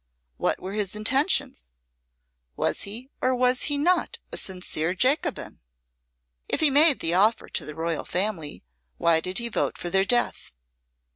What were his intentions? Was he or was he not a sincere Jacobin? If he made the offer to the royal family, why did he vote for their death?